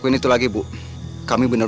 aduh aduh aduh